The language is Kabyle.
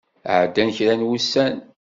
Ɛeddan kra n wussan.